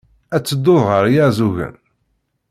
Ad tedduḍ ɣer Iɛeẓẓugen?